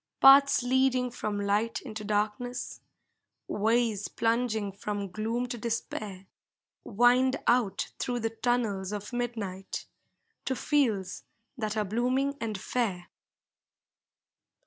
Paths leading from light into darkness, Ways plunging from gloom to despair, Wind out through the tunnels of midnight To fields that are blooming and fair.